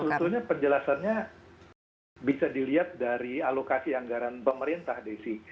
sebetulnya penjelasannya bisa dilihat dari alokasi anggaran pemerintah desi